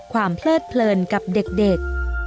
เพลิดเพลินกับเด็ก